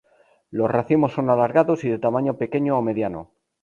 Los racimos son alargados y de tamaño pequeño o mediano.